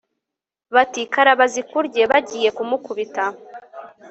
bati «karaba zikurye» , bagiye kumukubita